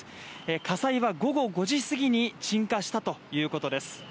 火災は午後５時すぎに鎮火したということです。